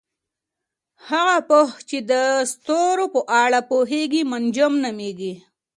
هغه پوه چې د ستورو په اړه پوهیږي منجم نومیږي.